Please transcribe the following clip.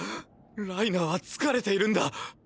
ライナーは疲れているんだ！